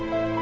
một lần nữa